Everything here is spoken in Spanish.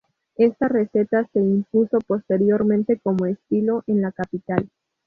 Esta receta se impuso posteriormente como estilo en la capital.